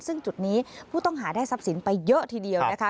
ซึ่งจุดนี้ผู้ต้องหาได้ทรัพย์สินไปเยอะทีเดียวนะคะ